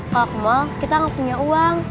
kalau ke mall kita harus punya uang